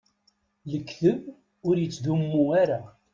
Lekdeb ur ittdummu ara.